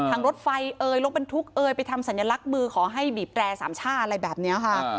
ทางรถไฟรถบรรทุกไปทำสัญลักษณ์มือขอให้บีบแปรสามชาอะไรแบบเนี้ยค่ะ